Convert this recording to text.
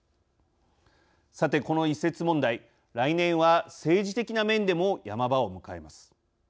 さて、この移設問題、来年は政治的な面でも山場を迎えます。